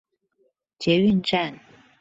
捷運站